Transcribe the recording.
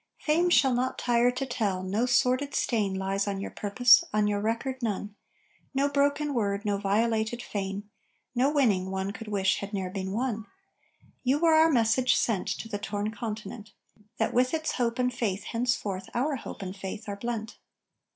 Fame shall not tire to tell, no sordid stain Lies on your purpose, on your record none. No broken word, no violated fane, No winning one could wish had ne'er been won. You were our message sent To the torn Continent: That with its hope and faith henceforth our faith and hope are blent.